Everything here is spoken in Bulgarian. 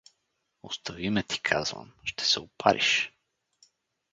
Остави ме, ти казвам, ще се опариш!